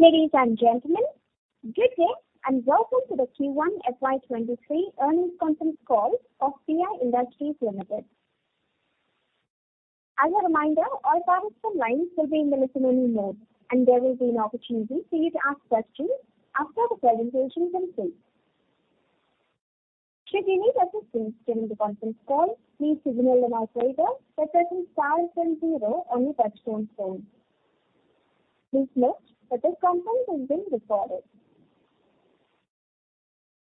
Ladies and gentlemen, good day, and welcome to the Q1 FY 2023 earnings conference call of PI Industries Limited. As a reminder, all participants lines will be in listen only mode, and there will be an opportunity for you to ask questions after the presentation is complete. Should you need assistance during the conference call, please signal the operator by pressing star then zero on your touchtone phone. Please note that this conference is being recorded.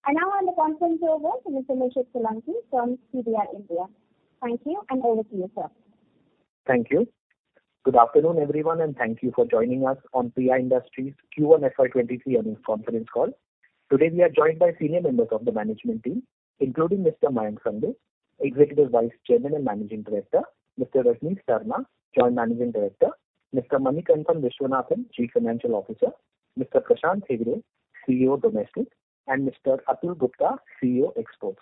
I now hand the conference over to Mr. Nishid Solanki from CDR India. Thank you, and over to you, sir. Thank you. Good afternoon, everyone, and thank you for joining us on PI Industries Q1 FY23 earnings conference call. Today, we are joined by senior members of the management team, including Mr. Mayank Singhal, Executive Vice Chairman and Managing Director, Mr. Rajnish Sarna, Joint Managing Director, Mr. Manikantan Viswanathan, Chief Financial Officer, Mr. Prashant Hegde, CEO Domestic, and Mr. Atul Gupta, CEO Exports.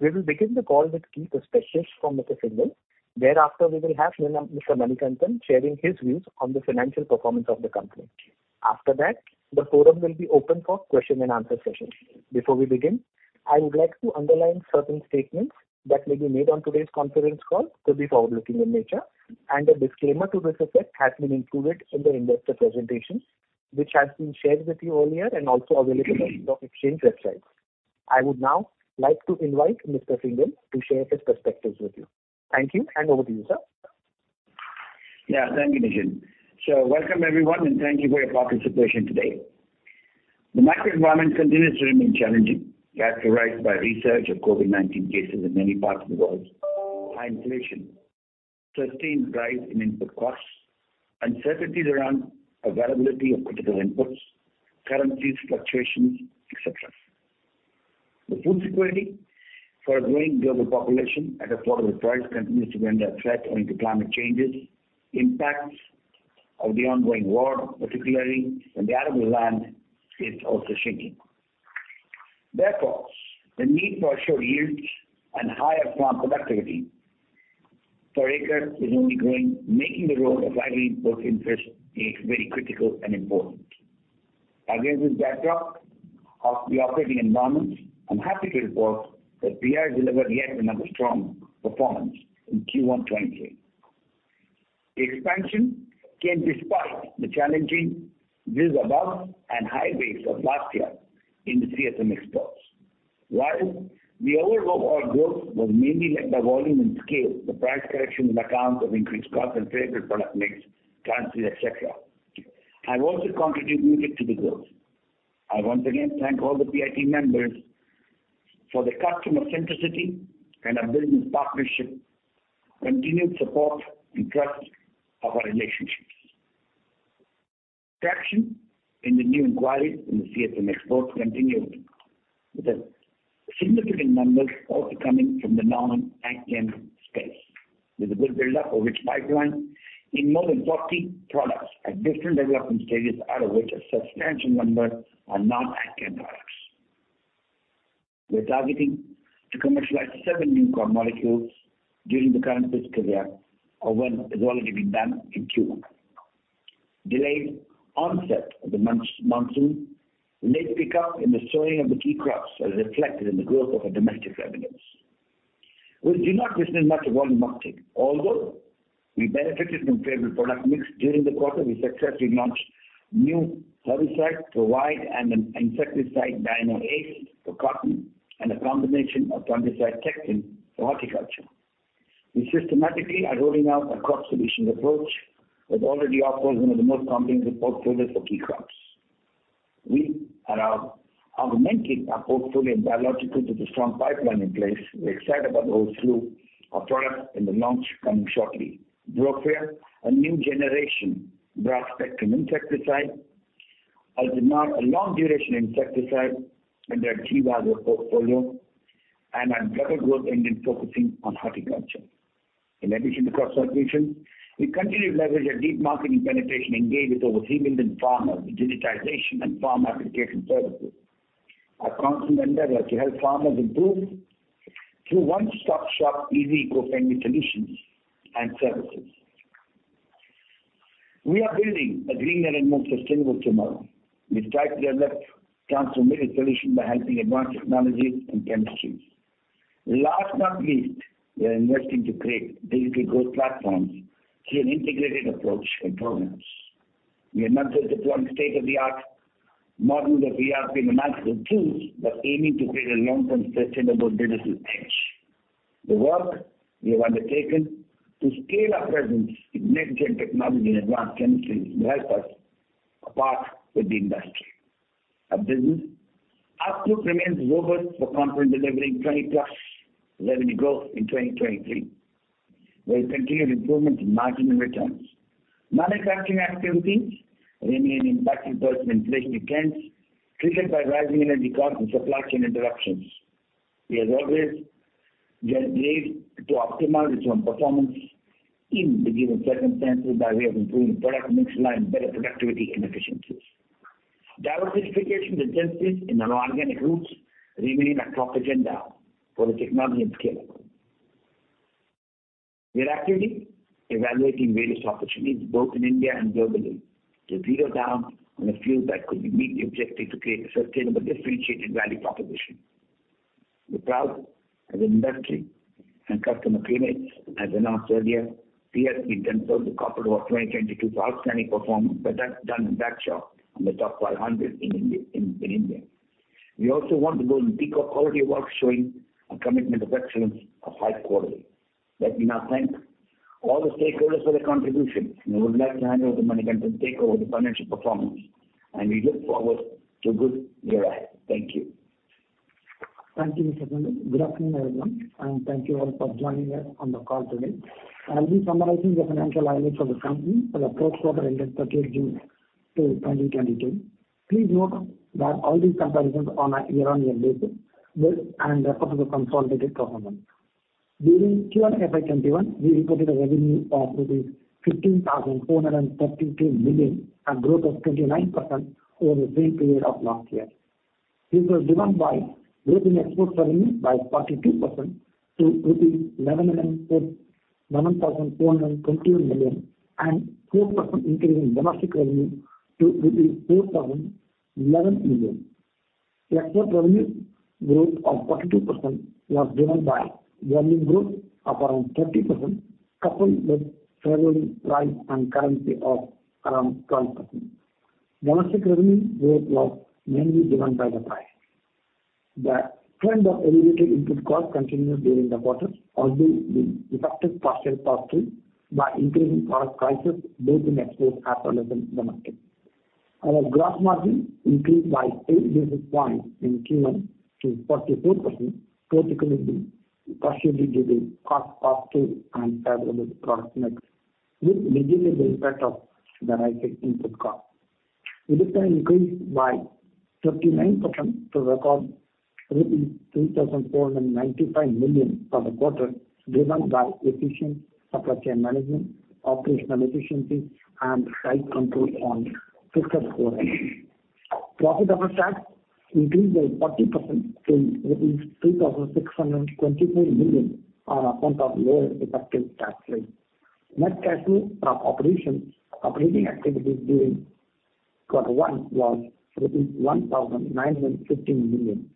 We will begin the call with key perspectives from Mr. Singhal. Thereafter, we will have Mr. Manikantan sharing his views on the financial performance of the company. After that, the forum will be open for question and answer session. Before we begin, I would like to underline certain statements that may be made on today's conference call could be forward-looking in nature, and a disclaimer to this effect has been included in the investor presentation, which has been shared with you earlier and also available on the stock exchange website. I would now like to invite Mr. Singhal to share his perspectives with you. Thank you, and over to you, sir. Yeah. Thank you, Nishid. Welcome, everyone, and thank you for your participation today. The macro environment continues to remain challenging, characterized by resurgence of COVID-19 cases in many parts of the world, high inflation, sustained rise in input costs, uncertainties around availability of critical inputs, currency fluctuations, et cetera. The food security for a growing global population at affordable price continues to remain a threat owing to climate changes, impacts of the ongoing war, particularly when the arable land is also shrinking. Therefore, the need for assured yields and higher plant productivity per acre is only growing, making the role of agri-input industries very critical and important. Against this backdrop of the operating environment, I'm happy to report that PI delivered yet another strong performance in Q1 2023. The expansion came despite the challenging vis-à-vis above and high base of last year in the CSM exports. While the overall growth was mainly led by volume and scale, the price correction on account of increased costs and favorable product mix, currencies, et cetera, have also contributed to the growth. I once again thank all the PIT members for their customer centricity and our business partnership, continued support and trust of our relationships. Traction in the new inquiries in the CSM exports continued with significant numbers also coming from the non-agchem space. With a good build-up of rich pipeline in more than 40 products at different development stages, out of which a substantial number are non-agchem products. We're targeting to commercialize 7 new core molecules during the current fiscal year, one of which has already been done in Q1. Delayed onset of the monsoon, late pick-up in the sowing of the key crops are reflected in the growth of our domestic revenues. We did not witness much volume uptick, although we benefited from favorable product mix. During the quarter, we successfully launched new herbicide Akira and an insecticide Dinoace for cotton and a combination of fungicide Teklin for horticulture. We systematically are rolling out a crop solutions approach that already offers one of the most comprehensive portfolios for key crops. We are augmenting our portfolio in biological with a strong pipeline in place. We're excited about the whole slew of products in the launch coming shortly. Brofreya, a new generation broad-spectrum insecticide, Aldinar, a long-duration insecticide in the Achieva portfolio and a further growth engine focusing on horticulture. In addition to crop solutions, we continue to leverage our deep marketing penetration engaged with over 3 million farmers with digitization and farm application services. Our constant endeavor to help farmers improve through one-stop-shop easy eco-friendly solutions and services. We are building a green and a more sustainable tomorrow. We strive to develop transformative solutions by harnessing advanced technologies and chemistries. Last but not least, we are investing to create digital growth platforms through an integrated approach and programs. We have not just deployed state-of-the-art models of AI, machine learning tools, but aiming to create a long-term sustainable business edge. The work we have undertaken to scale our presence in next-gen technology and advanced chemistries will help set us apart from the industry. Our business outlook remains robust confident of delivering 20+% revenue growth in 2023, with continued improvement in margins and returns. Manufacturing activities remain impacted by inflation trends triggered by rising energy costs and supply chain interruptions. We have always strived to optimize on performance in the given circumstances by way of improving product mix line, better productivity and efficiencies. Diversification with adjacencies in the inorganic routes remains in our top agenda for the technology and scale. We are actively evaluating various opportunities both in India and globally to zero in on a few that could meet the objective to create a sustainable differentiated value proposition. We're proud as an industry and customer favorite. As announced earlier, CSM has been crowned the Corporate Award 2022 for outstanding performance. The work done in the backshop won the top 500 in India. We also want to go and pick up all the work showing a commitment to excellence and high quality. Let me now thank all the stakeholders for their contribution. I would like to hand over to Manikantan to take over the financial performance, and we look forward to a good year ahead. Thank you. Thank you, Mr. Mayank. Good afternoon, everyone, and thank you all for joining us on the call today. I'll be summarizing the financial highlights of the company for the first quarter ended 31st June 2022. Please note that all these comparisons are on a year-on-year basis, and as opposed to the consolidated performance. During Q1 FY twenty-three, we reported a revenue of rupees 15,432 million, a growth of 29% over the same period of last year. This was driven by growth in export revenue by 42% to INR 11,422 million and 4% increase in domestic revenue to INR 4,011 million. Export revenue growth of 42% was driven by volume growth of around 30%, coupled with favorable price and currency of around 12%. Domestic revenue growth was mainly driven by the price. The trend of elevated input cost continued during the quarter, although we effected partial pass-through by increasing product prices both in export as well as in domestic. Our gross margin increased by eight basis points in Q1 to 44%, particularly possibly due to cost pass-through and favorable product mix with negligible impact of the rising input cost. EBITDA increased by 39% to rupees 3,495 million for the quarter, driven by efficient supply chain management, operational efficiency and tight control on fixed overheads. Profit after tax increased by 40% to rupees 3,624 million on account of lower effective tax rate. Net cash flow from operating activities during Q1 was INR 1,915 million.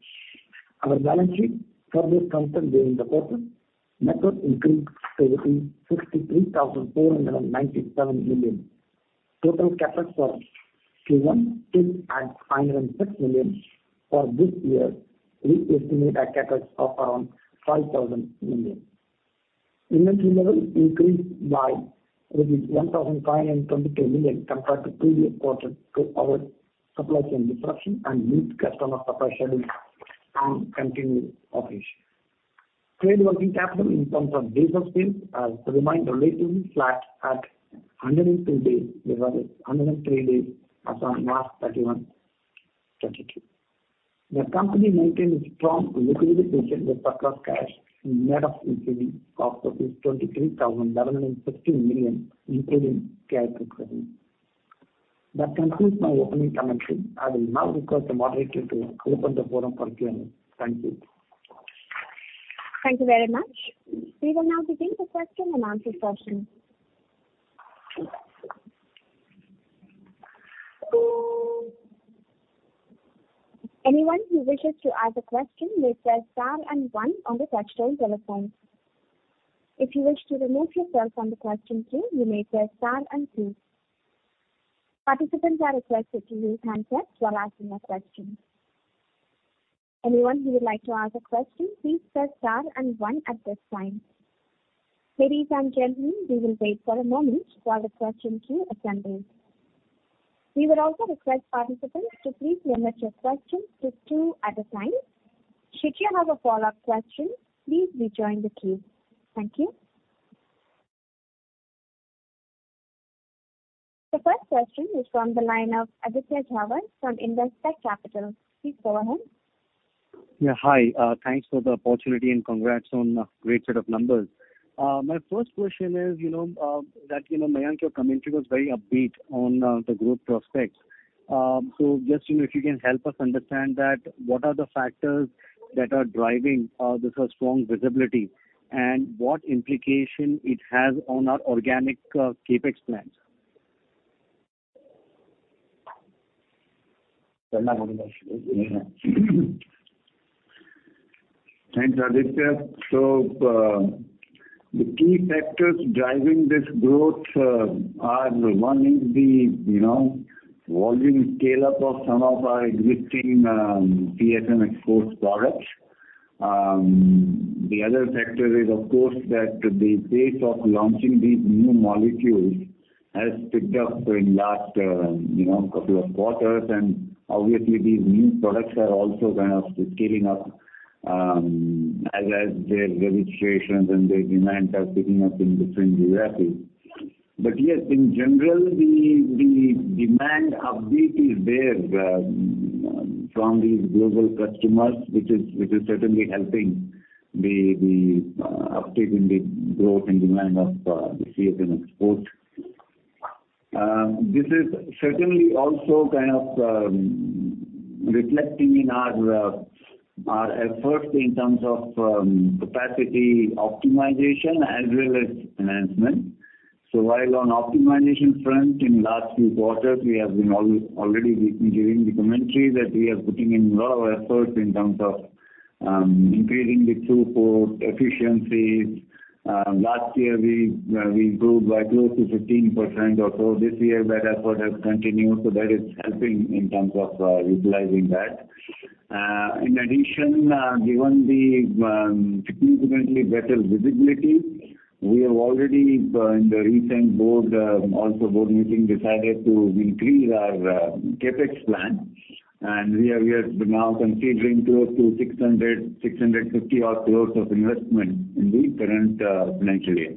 Our balance sheet, further strengthened during the quarter. Net worth increased to 63,497 million. Total CapEx for Q1 stood at 506 million. For this year, we estimate a CapEx of around 5,000 million. Inventory level increased by rupees 1,522 million compared to previous quarter due to our supply chain disruption to meet customer supply schedules and continued operations. Trade working capital in terms of days of sales remained relatively flat at 102 days versus 103 days as on March 31, 2022. The company maintained a strong liquidity position with surplus cash net of increasing cost of 23,715 million, including cash and credit. That concludes my opening commentary. I will now request the moderator to open the forum for Q&A. Thank you. Thank you very much. We will now begin the question and answer session. Anyone who wishes to ask a question may press star and one on the touchtone telephone. If you wish to remove yourself from the question queue, you may press star and two. Participants are requested to use handsets while asking a question. Anyone who would like to ask a question, please press star and one at this time. Ladies and gentlemen, we will wait for a moment while the question queue assembles. We would also request participants to please limit your questions to two at a time. Should you have a follow-up question, please rejoin the queue. Thank you. The first question is from the line of Aditya Dhawan from Investec Capital. Please go ahead. Yeah, hi, thanks for the opportunity and congrats on a great set of numbers. My first question is, you know, that, you know, Manikanth, your commentary was very upbeat on the group prospects. Just, you know, if you can help us understand that, what are the factors that are driving this strong visibility and what implication it has on our organic CapEx plans? Thanks, Aditya. The key factors driving this growth are one is the, you know, volume scale-up of some of our existing CSM exports products. The other factor is, of course, that the pace of launching these new molecules has picked up in last, you know, couple of quarters. Obviously these new products are also kind of scaling up, as their registrations and their demands are picking up in different geographies. Yes, in general, the demand update is there from these global customers, which is certainly helping the uptake in the growth and demand of the CSM export. This is certainly also kind of reflecting in our efforts in terms of capacity optimization as well as enhancement. While on optimization front in last few quarters, we have been already giving the commentary that we are putting in a lot of effort in terms of increasing the throughput, efficiencies. Last year we improved by close to 15% or so. This year that effort has continued, so that is helping in terms of utilizing that. In addition, given the significantly better visibility, we have already, in the recent board meeting, also decided to increase our CapEx plan. We are now considering close to 650 crore of investment in the current financial year.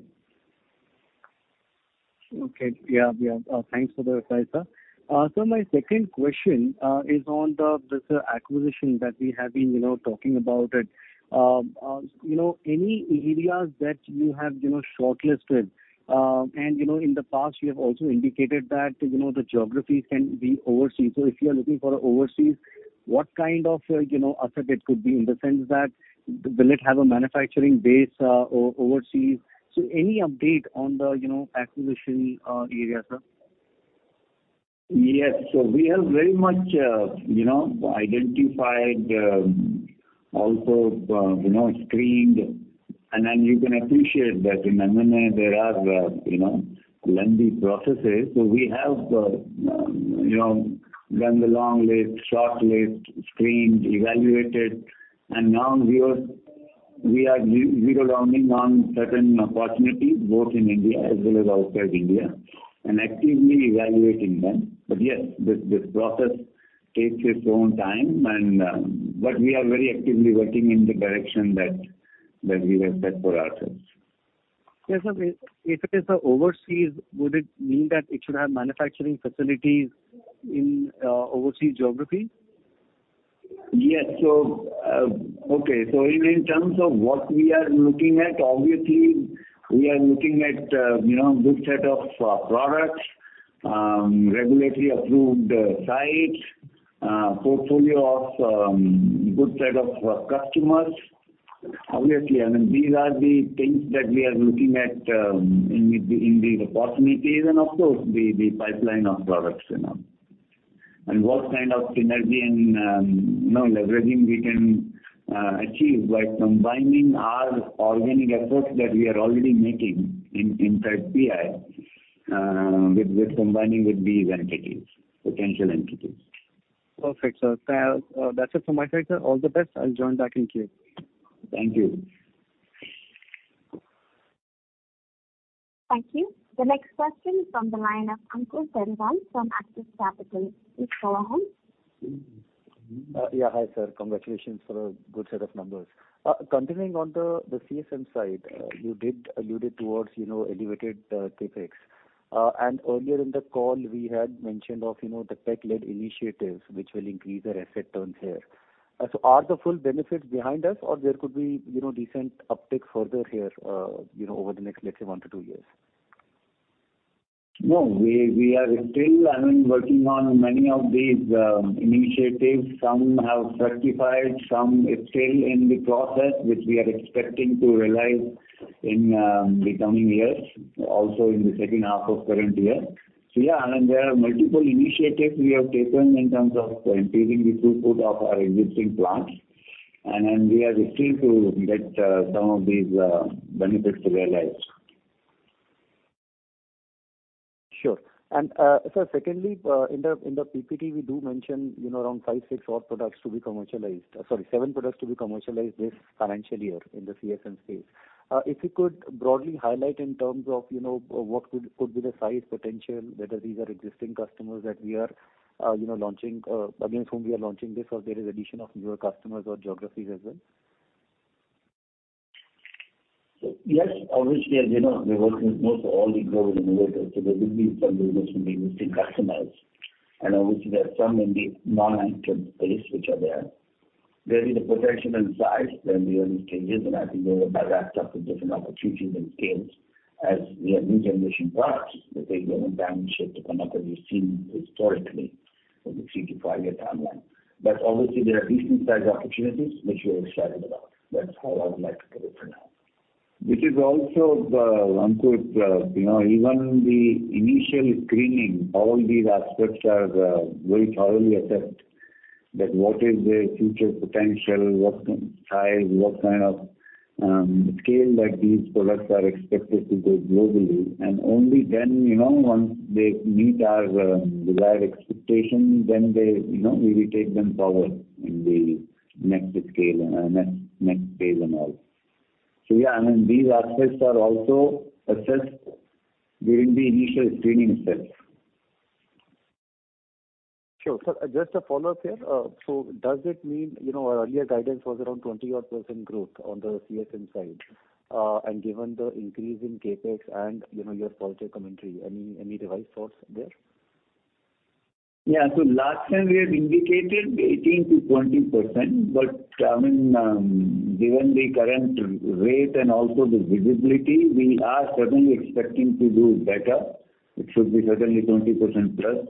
Thanks for the insight, sir. My second question is on the acquisition that we have been, you know, talking about it. You know, any areas that you have, you know, shortlisted. You know, in the past, you have also indicated that, you know, the geographies can be overseas. If you are looking for overseas, what kind of, you know, asset it could be in the sense that will it have a manufacturing base overseas? Any update on the, you know, acquisition area, sir? Yes. We have very much, you know, identified, also, you know, screened. You can appreciate that in M&A there are lengthy processes. We have done the long list, short list, screened, evaluated. Now we are zeroed in on certain opportunities both in India as well as outside India, and actively evaluating them. Yes, this process takes its own time and, but we are very actively working in the direction that we have set for ourselves. Yes, sir. If it is overseas, would it mean that it should have manufacturing facilities in overseas geographies? Yes. In terms of what we are looking at, obviously we are looking at, you know, good set of products, regulatory approved sites, portfolio of good set of customers. Obviously, I mean, these are the things that we are looking at, in the opportunities and of course the pipeline of products, you know. What kind of synergy and, you know, leveraging we can achieve by combining our organic efforts that we are already making inside PI, with combining with these potential entities. Perfect, sir. That's it from my side, sir. All the best. I'll join back in queue. Thank you. Thank you. The next question is from the line of Ankur Periwal from Axis Capital. Please go ahead. Hi, sir. Congratulations for a good set of numbers. Continuing on the CSM side, you did alluded towards, you know, elevated CapEx. Earlier in the call we had mentioned of, you know, the tech-led initiatives which will increase our asset turns here. Are the full benefits behind us or there could be, you know, decent uptick further here, you know, over the next, let's say, one to two years? No, we are still, I mean, working on many of these initiatives. Some have certified, some, it's still in the process, which we are expecting to realize in the coming years, also in the second half of current year. Yeah, I mean, there are multiple initiatives we have taken in terms of increasing the throughput of our existing plants, and then we are still to let some of these benefits to realize. Sure. Sir, secondly, in the PPT we do mention, you know, around 5, 6 odd products to be commercialized. Sorry, 7 products to be commercialized this financial year in the CSM space. If you could broadly highlight in terms of, you know, what could be the size potential, whether these are existing customers that we are, you know, launching against whom we are launching this or there is addition of newer customers or geographies as well. Yes, obviously as you know, we're working with most all the global innovators, so there will be some business from the existing customers. Obviously there are some in the non-agchem space which are there. There is a potential in size, they're in the early stages, and I think they will back up the different opportunities and scales as they are new generation products that they don't diminish it to come up as we've seen historically from the 3-5-year timeline. Obviously there are decent size opportunities which we are excited about. That's how I would like to put it for now. Which is also the, Ankur, you know, even the initial screening, all these aspects are very thoroughly assessed that what is the future potential, what size, what kind of scale that these products are expected to go globally. Only then, you know, once they meet our desired expectation, then they, you know, we will take them forward in the next scale and next phase and all. Yeah, I mean, these aspects are also assessed during the initial screening itself. Sure, sir. Just a follow-up here. Does it mean, you know, our earlier guidance was around 20-odd% growth on the CSM side. Given the increase in CapEx and, you know, your softer commentary, any revised thoughts there? Yeah. Last time we had indicated 18%-20%, but I mean, given the current rate and also the visibility, we are certainly expecting to do better. It should be certainly 20%+.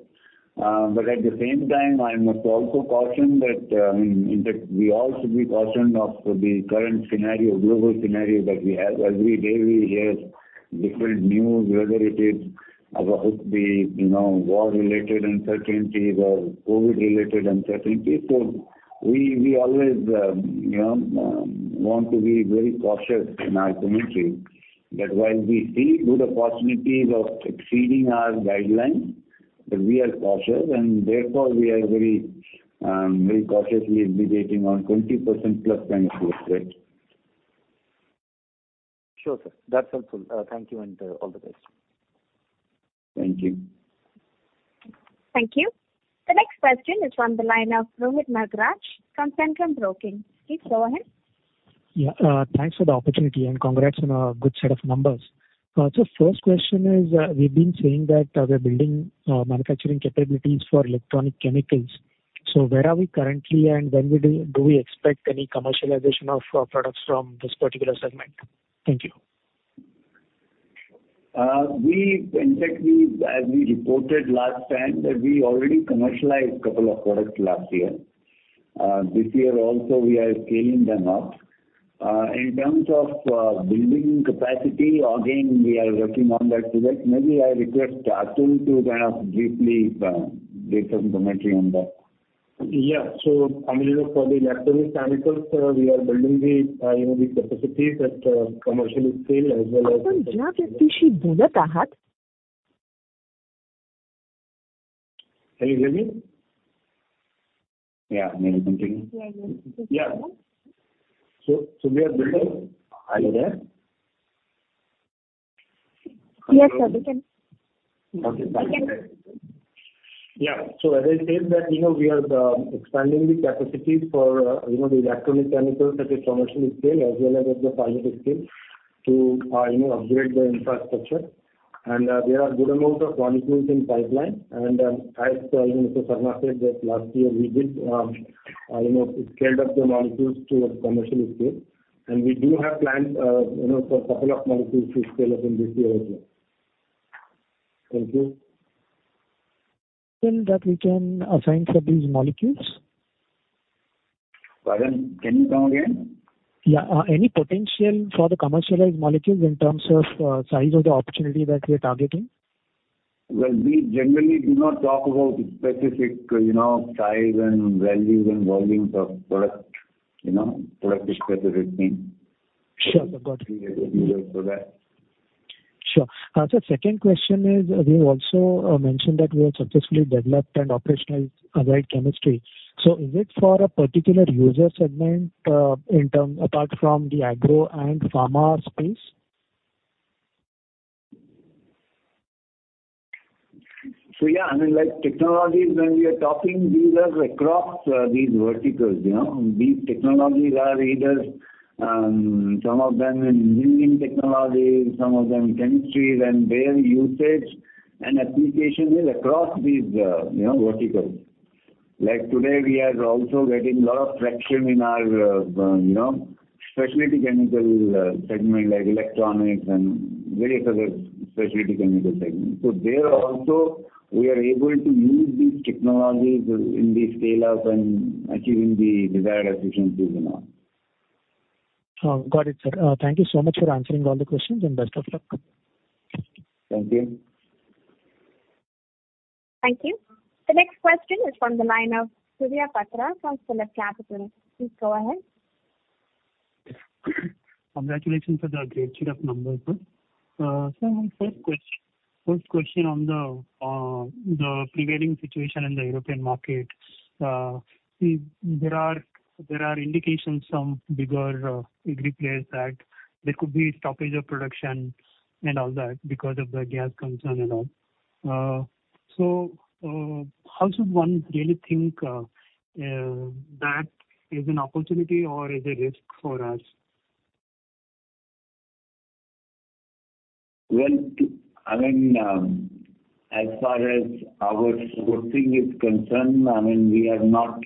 At the same time, I must also caution that, I mean, in fact, we all should be cautioned of the current scenario, global scenario that we have. Every day we hear different news, whether it is about the war-related uncertainties or COVID-related uncertainties. We always want to be very cautious in our commentary that while we see good possibilities of exceeding our guidelines, but we are cautious, and therefore we are very cautiously anticipating on 20%+ kind of growth rate. Sure, sir. That's helpful. Thank you, and all the best. Thank you. Thank you. The next question is from the line of Rohit Nagraj from Centrum Broking. Please go ahead. Yeah. Thanks for the opportunity, and congrats on a good set of numbers. First question is, we've been saying that we are building manufacturing capabilities for electronic chemicals. Where are we currently, and when do we expect any commercialization of our products from this particular segment? Thank you. In fact, we, as we reported last time, that we already commercialized couple of products last year. This year also we are scaling them up. In terms of building capacity, again, we are working on that project. Maybe I request Atul to kind of briefly give some commentary on that. Yeah. I mean, you know, for the electronic chemicals, we are building the, you know, the capacities at, commercial scale as well as. Can you hear me? Yeah. May we continue? Yeah, yeah. You can. Yeah. We are building. Are you there? Yes, sir. We can. Okay. Yeah. As I said that, you know, we are expanding the capacities for, you know, the electronic chemicals at a commercial scale as well as at the pilot scale to, you know, upgrade the infrastructure. There are good amount of molecules in pipeline. As you know, Mr. Sarna said that last year we did, you know, scaled up the molecules to a commercial scale. We do have plans, you know, for couple of molecules to scale up in this year as well. Thank you. that we can assign for these molecules? Pardon. Can you come again? Yeah. Any potential for the commercialized molecules in terms of size of the opportunity that we are targeting? Well, we generally do not talk about specific, you know, size and values and volumes of product, you know, product-specific things. Sure. Got it. We don't do that. Sure. Sir, second question is, you also mentioned that we have successfully developed and operationalized a wide chemistry. Is it for a particular user segment, in terms, apart from the agro and pharma space? Yeah, I mean, like technologies when we are talking these are across these verticals, you know. These technologies are either some of them in engineering technologies, some of them chemistries, and their usage and application is across these verticals, you know. Like today we are also getting lot of traction in our specialty chemical segment like electronics and various other specialty chemical segments. There also we are able to use these technologies in the scale-up and achieving the desired efficiencies and all. Oh, got it, sir. Thank you so much for answering all the questions, and best of luck. Thank you. Thank you. The next question is from the line of Surya Patra from PhillipCapital. Please go ahead. Congratulations on the great set of numbers, sir. My first question on the prevailing situation in the European market. There are indications from bigger agri players that there could be stoppage of production and all that because of the gas concern and all. How should one really think that is an opportunity or is a risk for us? Well, I mean, as far as our sourcing is concerned, I mean, we are not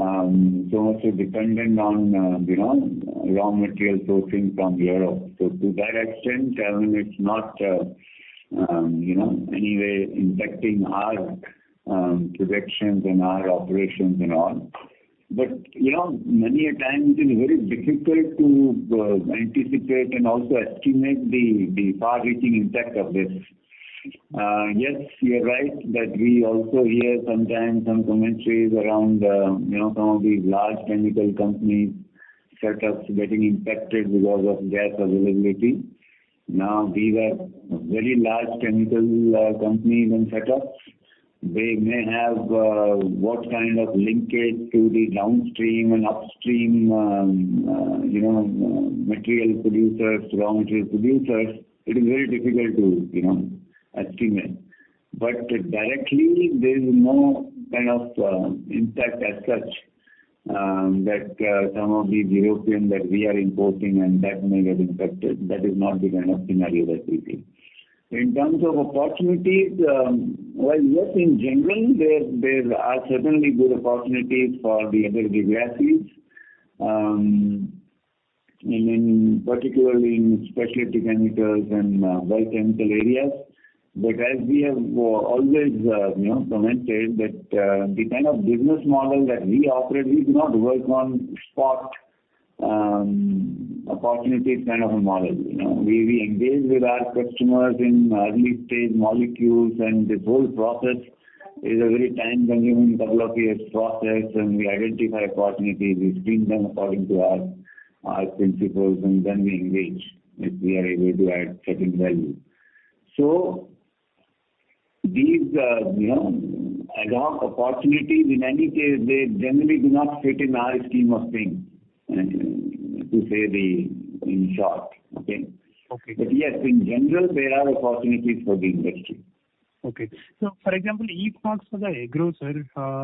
so much dependent on, you know, raw material sourcing from Europe. To that extent, I mean, it's not, you know, anyway impacting our productions and our operations and all. You know, many a times it is very difficult to anticipate and also estimate the far-reaching impact of this. Yes, you're right that we also hear sometimes some commentaries around, you know, some of these large chemical companies setups getting impacted because of gas availability. Now, these are very large chemical companies and setups. They may have what kind of linkage to the downstream and upstream, you know, material producers, raw material producers. It is very difficult to, you know, estimate. Directly there is no kind of impact as such. That some of these European that we are importing and that may get impacted. That is not the kind of scenario that we see. In terms of opportunities, well, yes, in general, there are certainly good opportunities for the other derivatives, particularly in specialty chemicals and biochemical areas. As we have always, you know, commented that, the kind of business model that we operate, we do not work on spot opportunities kind of a model, you know. We engage with our customers in early-stage molecules, and the whole process is a very time-consuming, couple of years process, and we identify opportunities, we screen them according to our principles, and then we engage if we are able to add certain value. These, you know, ad hoc opportunities, in any case, they generally do not fit in our scheme of things, to say the least, in short. Okay. Okay. Yes, in general, there are opportunities for the industry. For example, if not for the agro, sir,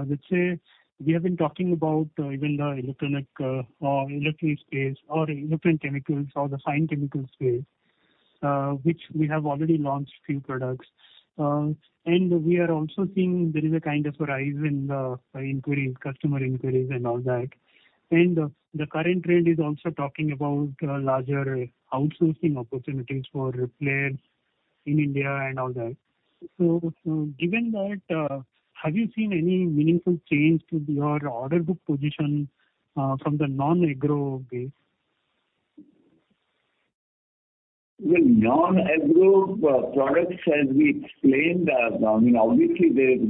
let's say we have been talking about even the electronic or electric space or electronic chemicals or the fine chemicals space, which we have already launched few products. We are also seeing there is a kind of a rise in the inquiries, customer inquiries and all that. The current trend is also talking about larger outsourcing opportunities for players in India and all that. Given that, have you seen any meaningful change to your order book position from the non-agro base? The non-agchem products, as we explained, I mean, obviously, there's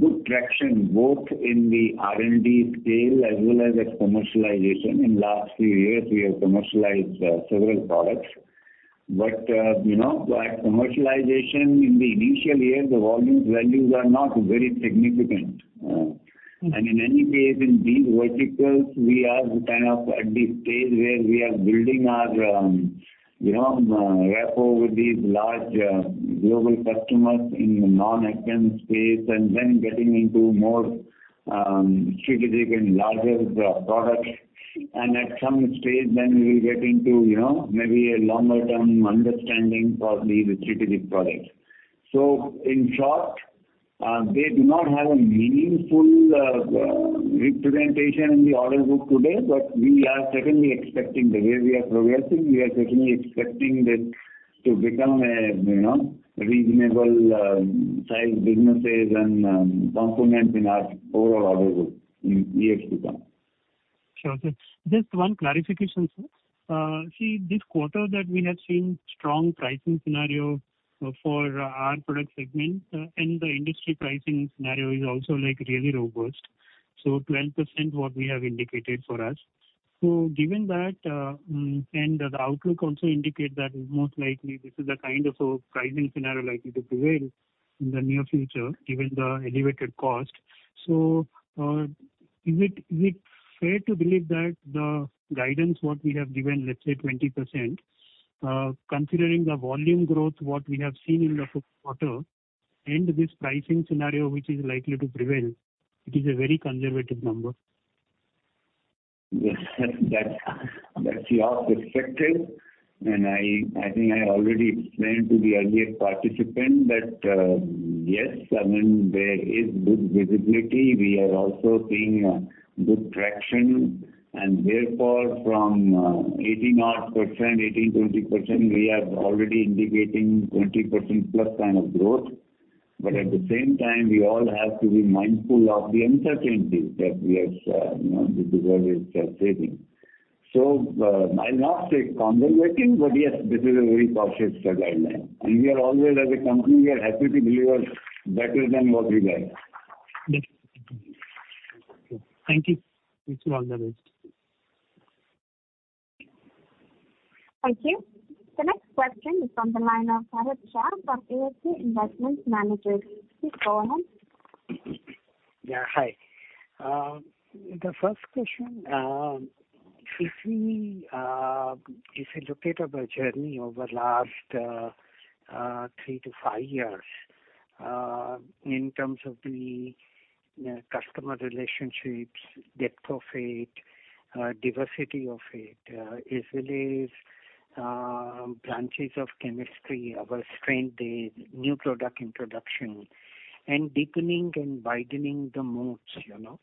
good traction both in the R&D scale as well as at commercialization. In last few years, we have commercialized several products. You know, at commercialization in the initial years, the volumes values are not very significant. In any case, in these verticals, we are kind of at the stage where we are building our, you know, rapport with these large global customers in non-agchem space and then getting into more strategic and larger products. At some stage then we'll get into, you know, maybe a longer-term understanding of these strategic products. In short, they do not have a meaningful representation in the order book today, but we are certainly expecting. The way we are progressing, we are certainly expecting this to become a, you know, reasonable size businesses and component in our overall order book in years to come. Sure, sir. Just one clarification, sir. See, this quarter that we have seen strong pricing scenario for our product segment, and the industry pricing scenario is also, like, really robust. Twelve percent what we have indicated for us. Given that, and the outlook also indicates that most likely this is the kind of a pricing scenario likely to prevail in the near future, given the elevated cost. Is it fair to believe that the guidance what we have given, let's say 20%, considering the volume growth what we have seen in the fourth quarter and this pricing scenario, which is likely to prevail, it is a very conservative number? Yes. That's your perspective, and I think I already explained to the earlier participant that, yes, I mean, there is good visibility. We are also seeing good traction, and therefore from 18-odd%, 18-20%, we are already indicating 20%+ kind of growth. At the same time, we all have to be mindful of the uncertainties that we are, you know, the world is facing. I'll not say conservative, but yes, this is a very cautious guideline. We are always, as a company, we are happy to deliver better than what we guide. Thank you. Wish you all the best. Thank you. The next question is from the line of Harish Shah for ASK Investment Managers. Please go ahead. Yeah, hi. The first question, if we look at our journey over last 3-5 years in terms of the customer relationships, depth of it, diversity of it, as well as branches of chemistry, our strength is new product introduction and deepening and widening the moats, you know.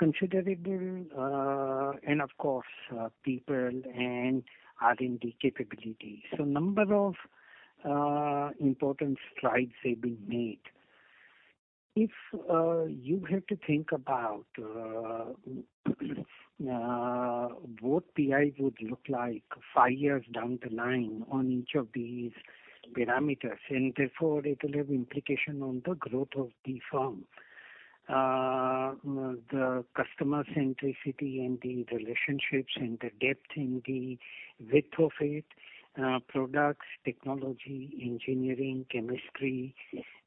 Considerable, and of course, people and R&D capabilities. Number of important strides have been made. If you had to think about what PI would look like 5 years down the line on each of these parameters, and therefore it will have implication on the growth of the firm. The customer centricity and the relationships and the depth and the width of it, products, technology, engineering, chemistry,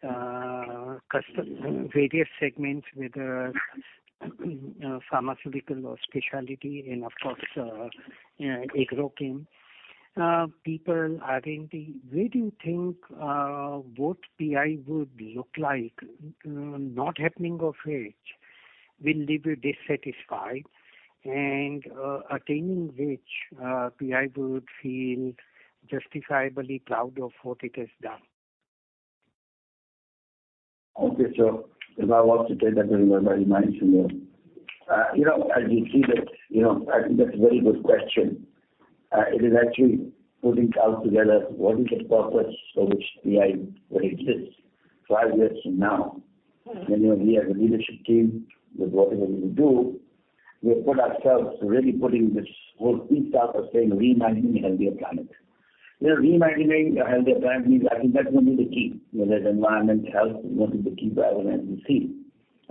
various segments, whether pharmaceutical or specialty and of course, you know, agrochem. People are in the where do you think, what PI would look like not happening of which will leave you dissatisfied and, attaining which, PI would feel justifiably proud of what it has done? Okay. If I was to take that very, very nicely, you know, as you see that, you know, I think that's a very good question. It is actually putting out together what is the purpose for which PI will exist five years from now. Mm-hmm. You know, we as a leadership team, with whatever we do, we have put ourselves really putting this whole piece out of saying reimagining a healthier planet. You know, reimagining a healthier planet means I think that's going to be the key. You know, that environmental health is going to be the key driver as we see.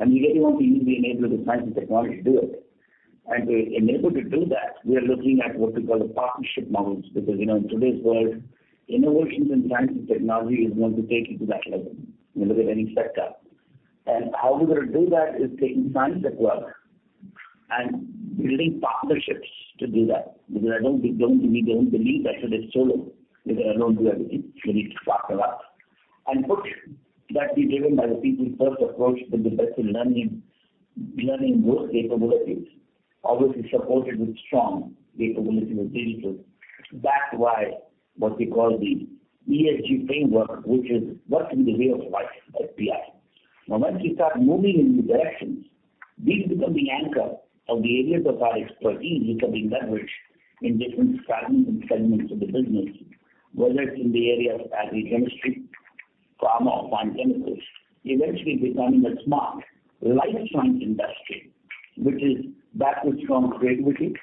We really want to use the enabler of the science and technology to do it. To enable to do that, we are looking at what we call the partnership models, because, you know, in today's world, innovations in science and technology is going to take you to that level, you know, in any sector. How we're gonna do that is taking science at work and building partnerships to do that. Because I don't believe I should do it solo. You know, I don't do everything. We need to partner up. Put that to be driven by the people first approach with the best in learning work capabilities, obviously supported with strong capabilities and abilities. That's why what we call the ESG framework, which is what's in the way of life at PI. Now, once you start moving in these directions, these become the anchor of the areas of our expertise, which are being leveraged in different fragments and segments of the business, whether it's in the area of agri-chemistry, pharma or fine chemicals, eventually becoming a smart life science industry, which is backed with strong creativity,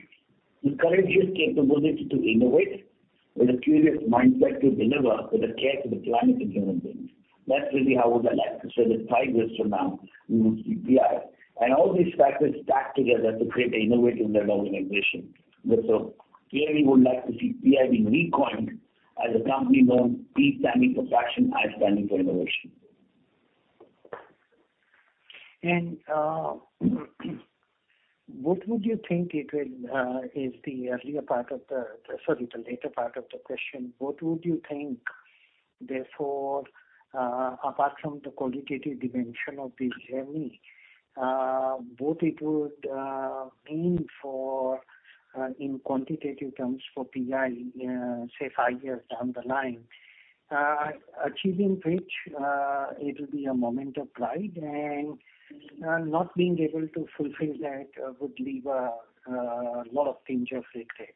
the courageous capability to innovate with a curious mindset to deliver with a care to the planet and human beings. That's really how would I like to say that five years from now we will see PI. All these factors stack together to create an innovative led organization. Clearly would like to see PI being recoined as a company known P standing for passion, I standing for innovation. The later part of the question. What would you think therefore, apart from the qualitative dimension of this journey, what it would mean for in quantitative terms for PI, say five years down the line, achieving which it will be a moment of pride and not being able to fulfill that would leave a lot of pinch of regret?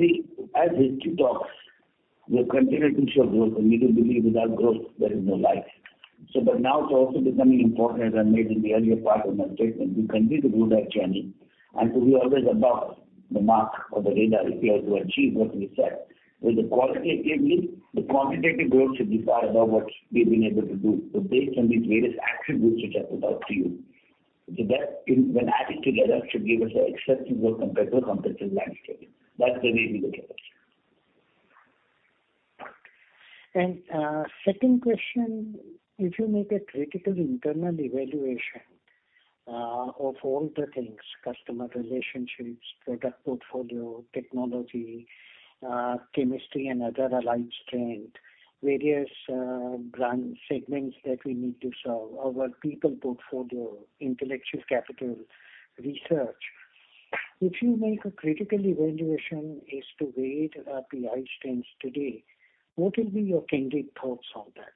See, as we keep talking, we have continued to show growth, and we do believe without growth there is no life. But now it's also becoming important, as I mentioned in the earlier part of my statement, to continue to do that journey and to be always above the mark or the radar if we are to achieve what we set. With that, qualitatively, the quantitative growth should be far above what we've been able to do. Based on these various attributes which I put out to you, that when added together should give us an exceptional compared to the competitive landscape. That's the way we look at it. Second question, if you make a critical internal evaluation of all the things, customer relationships, product portfolio, technology, chemistry and other aligned strength, various brand segments that we need to serve, our people portfolio, intellectual capital, research. If you make a critical evaluation as to where PI stands today, what will be your candid thoughts on that?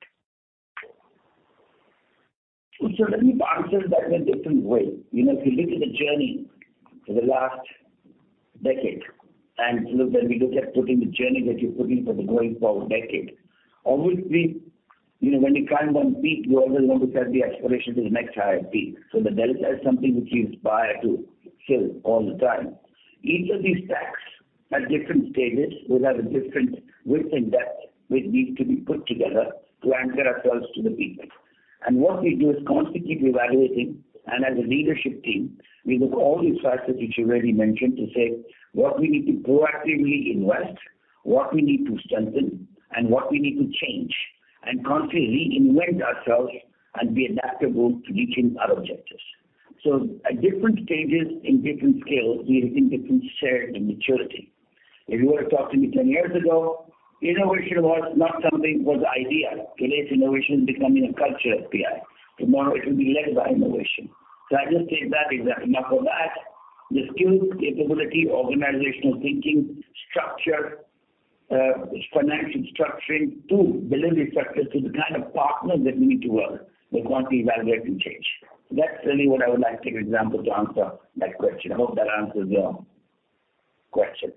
Let me answer that in a different way. You know, if you look at the journey for the last decade and look when we look at putting the journey that you're putting for the going forward decade, as always we, you know, when you climb one peak, you always want to set the aspiration to the next higher peak. The delta is something which you aspire to fill all the time. Each of these stacks at different stages will have a different width and depth which need to be put together to anchor ourselves to the peak. What we do is constantly keep evaluating, and as a leadership team, we look all these factors which you already mentioned to say what we need to proactively invest, what we need to strengthen, and what we need to change, and constantly reinvent ourselves and be adaptable to reaching our objectives. At different stages in different scales, we have been different shades in maturity. If you were to talk to me 10 years ago, innovation was not something, it was an idea. Today's innovation is becoming a culture at PI. Tomorrow it will be led by innovation. I just say that is enough of that. The skills, capability, organizational thinking, structure, financial structuring to building the structures to the kind of partners that we need to work, we constantly evaluate and change. That's really what I would like to take example to answer that question. I hope that answers your question.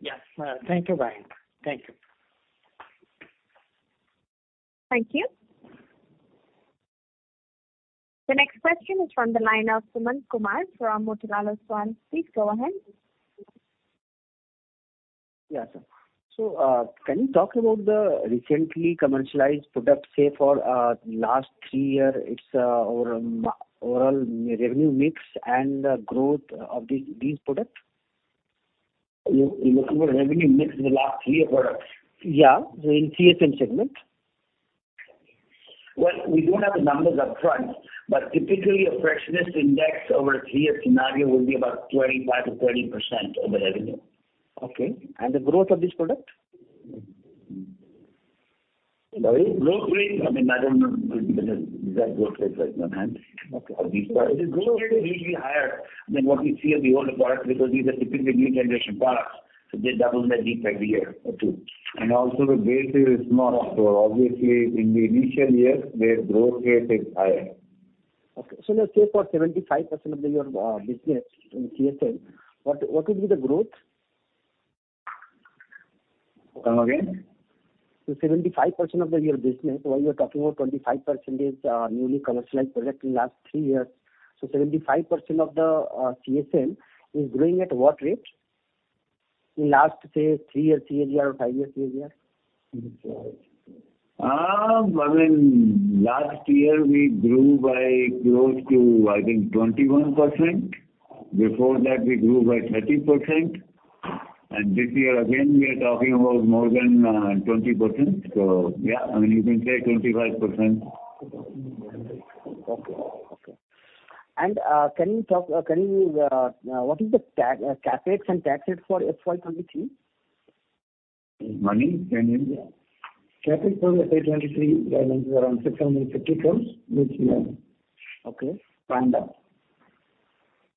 Yes. Thank you, Mayank. Thank you. Thank you. The next question is from the line of Sumant Kumar from Motilal Oswal. Please go ahead. Yeah, sure. Can you talk about the recently commercialized product, say for last three year, its overall revenue mix and growth of these products? You looking for revenue mix in the last three years products? Yeah. In CSM segment. Well, we don't have the numbers upfront, but typically a freshness index over a three-year scenario will be about 25%-30% of the revenue. Okay. The growth of this product? Sorry? Growth rate. I mean, I don't know the exact growth rates right now in hand. Okay. The growth rate is usually higher than what we see in the older products because these are typically new generation products. They double their deep every year. Okay. Also the base is small. obviously in the initial years, their growth rate is higher. Okay. Let's say for 75% of your business in CSM, what will be the growth? Come again. 75% of your business, while you're talking about 25% is newly commercialized product in last 3 years. 75% of the CSM is growing at what rate? In last, say, 3-year CAGR or 5-year CAGR? I mean, last year we grew by close to, I think, 21%. Before that we grew by 30%. This year again, we are talking about more than 20%. Yeah, I mean, you can say 25%. What is the CapEx and tax rate for FY 2023? CapEx for FY 2023 remains around INR 650 crore this year. Okay. Up.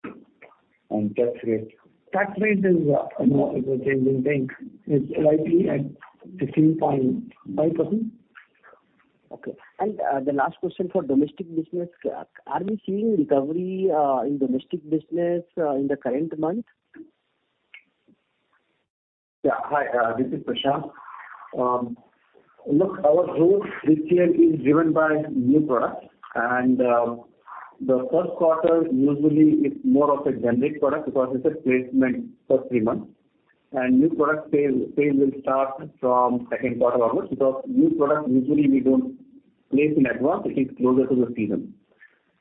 Tax rate. Tax rate is, you know, it's a changing thing. It's slightly at 15.5%. Okay. The last question for domestic business. Are we seeing recovery in domestic business in the current month? Yeah. Hi, this is Prashant. Look, our growth this year is driven by new products, and the first quarter usually is more of a generic product because it's a placement for 3 months. New product sales will start from second quarter onwards because new products usually we don't place in advance. It is closer to the season,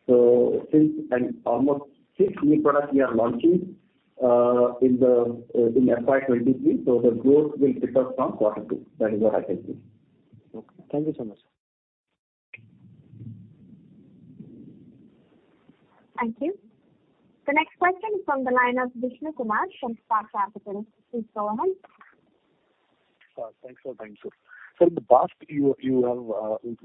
and almost 6 new products we are launching in FY 2023, so the growth will pick up from quarter two. That is what I can say. Okay. Thank you so much. Thank you. The next question is from the line of Vishnu Kumar from Spark Capital. Please go ahead. Thanks for the time, sir. In the past,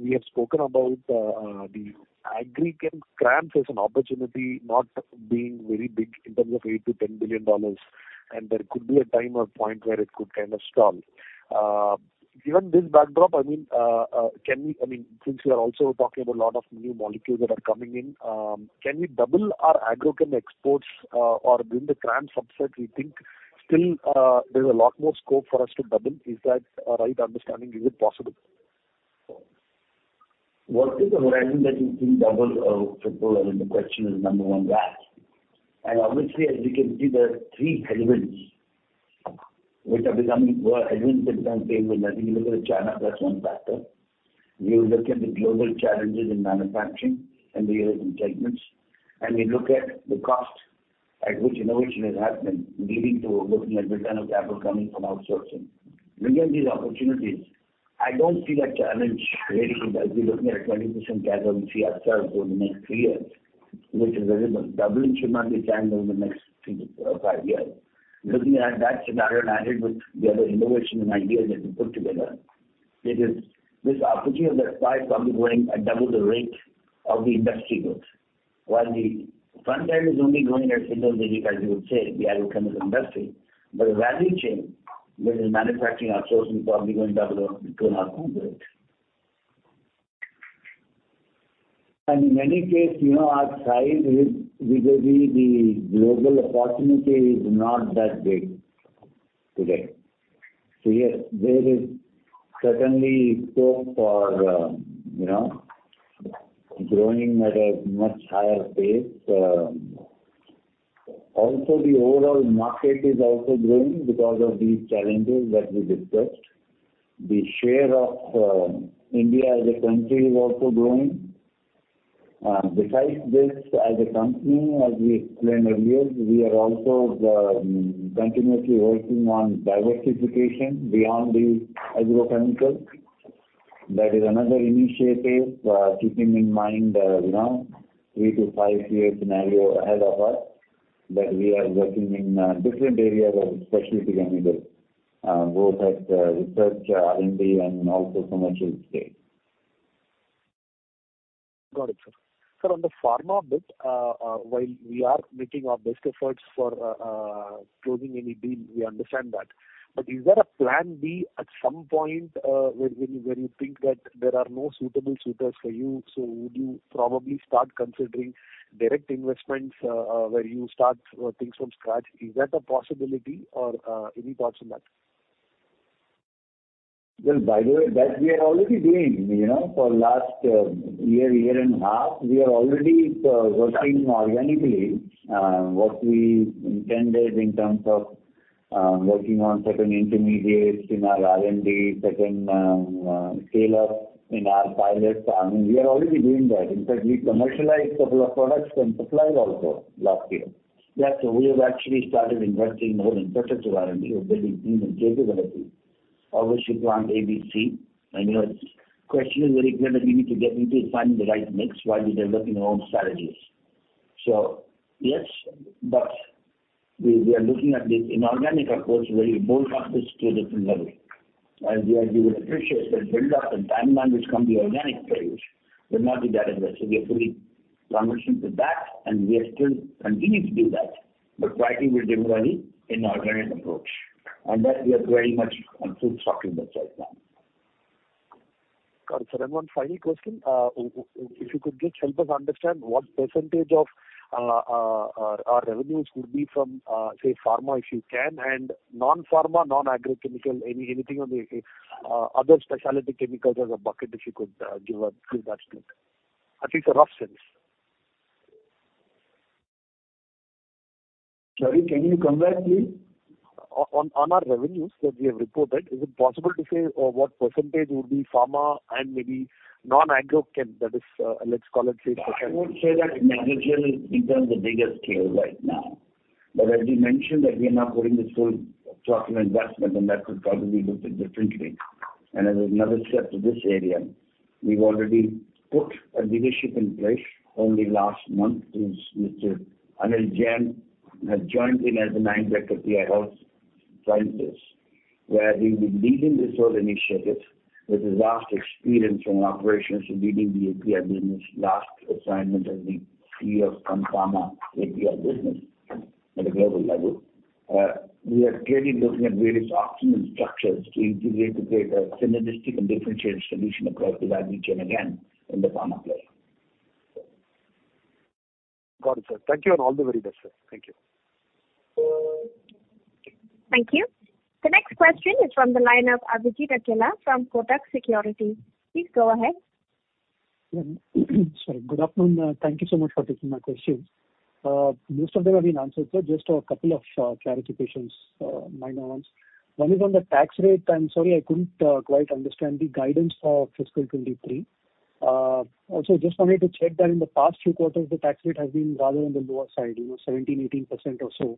we have spoken about the agrochem CRAMS as an opportunity not being very big in terms of $8 billion-$10 billion, and there could be a time or point where it could kind of stall. Given this backdrop, I mean, since you are also talking about a lot of new molecules that are coming in, can we double our agrochem exports, or within the CRAMS subset, we think still, there's a lot more scope for us to double. Is that a right understanding? Is it possible? What is the horizon that you think double or triple? I mean, the question is number one that. Obviously, as you can see, there are three headwinds which are becoming stable. I think you look at China, that's one factor. You look at the global challenges in manufacturing and the recent statements, and we look at the cost at which innovation has happened, leading to looking at return on capital coming from outsourcing. Looking at these opportunities, I don't see that challenge really. I'll be looking at a 20% CAGR for CSM over the next three years, which is reasonable. Doubling should not be a challenge over the next three or five years. Looking at that scenario and added with the other innovation and ideas that we put together, it is this opportunity that applies probably going at double the rate of the industry growth. While the front end is only growing at single-digit, as you would say, the agrochemical industry. The value chain, which is manufacturing outsourcing, is probably going double or 2.5 times the rate. In many cases, you know, our size with the global opportunity is not that big today. Yes, there is certainly scope for, you know, growing at a much higher pace. Also the overall market is also growing because of these challenges that we discussed. The share of India as a country is also growing. Besides this, as a company, as we explained earlier, we are also continuously working on diversification beyond the agrochemicals. That is another initiative, keeping in mind, you know, 3-5-year scenario ahead of us, that we are working in different areas of specialty chemicals, both at research, R&D, and also commercial scale. Got it, sir. Sir, on the pharma bit, while we are making our best efforts for closing any deal, we understand that. Is there a plan B at some point, where you think that there are no suitable suitors for you, so would you probably start considering direct investments, where you start things from scratch? Is that a possibility or any thoughts on that? Well, by the way, that we are already doing, you know. For last year and a half, we are already working organically what we intended in terms of working on certain intermediates in our R&D, certain scale-up in our pilot. I mean, we are already doing that. In fact, we commercialized a couple of products from suppliers also last year. Yes, we have actually started investing more in purchase R&D or building team and capability. Obviously, you want ABC. I know the question is very clear that we need to get into finding the right mix while we're developing our own strategies. Yes, but we are looking at this inorganic approach where you bolt-on this to a different level. You would appreciate that build-up and timeline, which come to the organic plays, will not be that aggressive. We are fully cognizant of that, and we are still continuing to do that. Quietly, we're developing inorganic approach. On that, we are very much on full steam in that right now. Got it, sir. One final question. If you could just help us understand what percentage of our revenues would be from, say, pharma, if you can, and non-pharma, non-agrochemical, anything on the other specialty chemicals as a bucket, if you could give that split. At least a rough sense. Sorry, can you come back, please? On our revenues that we have reported, is it possible to say what percentage would be pharma and maybe non-agro chem, that is, let's call it, say, specialty? I would say that agriculture is becoming the biggest deal right now. As we mentioned that we are now putting this full stock of investment, and that could probably be looked at differently. As another step to this area, we've already put a leadership in place only last month, is Mr. Anil Jain has joined in as the Managing Director of PI Health Sciences, where he will be leading this whole initiative with his vast experience from operations to leading the API business last assignment as the CEO of Sun Pharma API business at a global level. We are clearly looking at various optimal structures to integrate and create a synergistic and differentiated solution across the value chain, again, in the pharma play. Got it, sir. Thank you and all the very best, sir. Thank you. Thank you. The next question is from the line of Abhijit Akella from Kotak Securities. Please go ahead. Yeah. Sorry, good afternoon. Thank you so much for taking my questions. Most of them have been answered. Just a couple of clarifications, minor ones. One is on the tax rate. I'm sorry, I couldn't quite understand the guidance for fiscal 2023. Also just wanted to check that in the past few quarters, the tax rate has been rather on the lower side, you know, 17%-18% or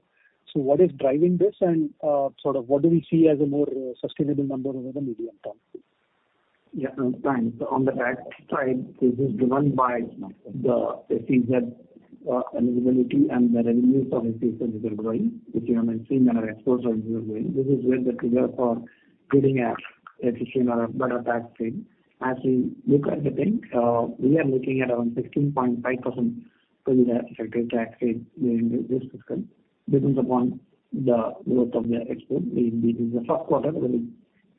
so. What is driving this? Sort of, what do we see as a more sustainable number over the medium term? Yeah. Thanks. On the tax side, this is driven by the SEZ eligibility and the revenues from SEZ which are growing, which we have been seeing and our exports are growing. This is where the trigger for getting an efficient or a better tax rate. As we look at the back, we are looking at around 16.5% for the effective tax rate during this fiscal. Depends upon the growth of the exports. In this is the first quarter, it will